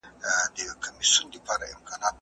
فلسفه یوازې د الاهي علم خلف علم ګڼل کېږي.